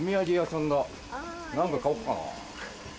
何か買おうかな。